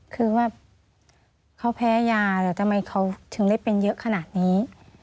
คือว่าเขาแพ้ยาแล้วทำไมเขาถึงได้เป็นเยอะขนาดนี้